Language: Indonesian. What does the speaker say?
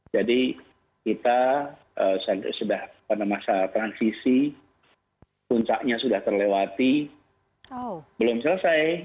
jadi kita sudah pada masa transisi puncaknya sudah terlewati belum selesai